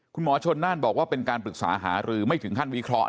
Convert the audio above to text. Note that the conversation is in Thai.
คุณหมอชนน่านบอกว่าเป็นการปรึกษาหารือไม่ถึงขั้นวิเคราะห